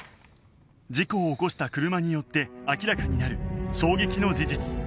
事故を起こした車によって明らかになる衝撃の事実